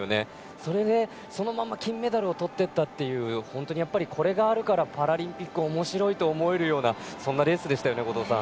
それでそのまま金メダルをとっていったという本当にこれがあるからパラリンピックおもしろいと思えるようなレースでしたね。